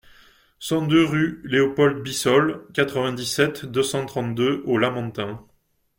cent deux rue Leopold Bissol, quatre-vingt-dix-sept, deux cent trente-deux au Lamentin